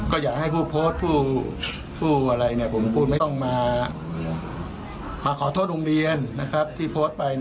ก็อยากให้ผู้โพสต์ผู้อะไรผมพูดไม่ต้องมาขอโทษโรงเรียนที่โพสต์ไป